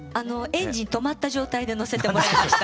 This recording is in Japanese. エンジン止まった状態で乗せてもらいました。